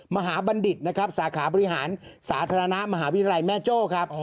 บัณฑิตนะครับสาขาบริหารสาธารณะมหาวิทยาลัยแม่โจ้ครับ